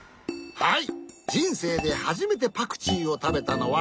はい。